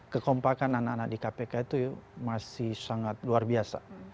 kekompakan anak anak di kpk itu masih sangat luar biasa